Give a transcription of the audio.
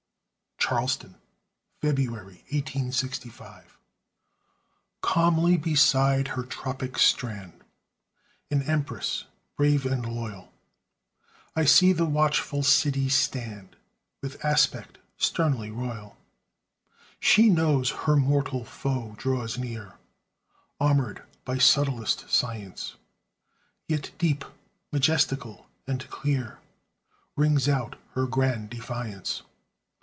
CHARLESTON [February, 1865] Calmly beside her tropic strand, An empress, brave and loyal, I see the watchful city stand, With aspect sternly royal; She knows her mortal foe draws near, Armored by subtlest science, Yet deep, majestical, and clear, Rings out her grand defiance.